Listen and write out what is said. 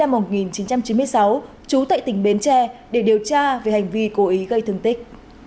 năm một nghìn chín trăm chín mươi sáu trú tại tỉnh bến tre để điều tra về hành vi cố ý gây thương tích